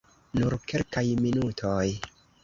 Nur kelkaj minutoj.